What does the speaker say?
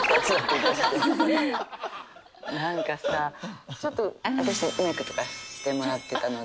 なんかさちょっと私メークとかしてもらってたので。